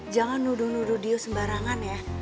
jangan nuduh nuduh sembarangan ya